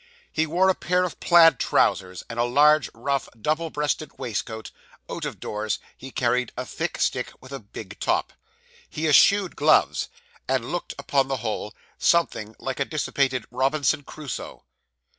He wore a pair of plaid trousers, and a large, rough, double breasted waistcoat; out of doors, he carried a thick stick with a big top. He eschewed gloves, and looked, upon the whole, something like a dissipated Robinson Crusoe.